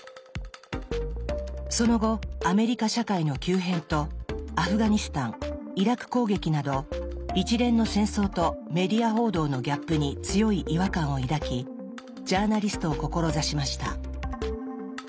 その後アメリカ社会の急変とアフガニスタンイラク攻撃など一連の戦争とメディア報道のギャップに強い違和感を抱きジャーナリストを志しました。